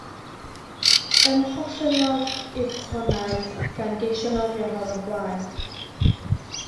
Ymollyngodd i'r tonnau gan geisio nofio fel o'r blaen.